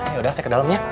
yaudah saya ke dalamnya